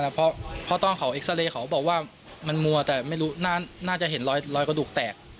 น่าจะประมาณนั้นเพราะตอนเขาเอ็กซาเลเขาบอกว่ามันมัวแต่ไม่รู้น่าจะเห็นรอยกระดูกแตก